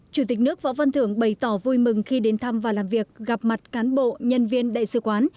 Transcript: chủ tịch nước võ văn thưởng bày tỏ vui mừng khi đến thăm và làm việc gặp mặt cán bộ nhân viên đại sứ quán